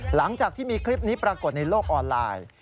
หลังจากที่มีคลิปนี้ปรากฏในโลกออนไลน์